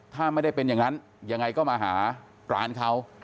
ถ้าไม่ได้เป็นอย่างนั้นยังไงก็มาหาร้านเขา